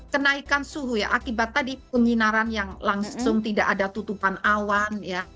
kenaikan suhu ya akibat tadi penyinaran yang langsung tidak ada tutupan awan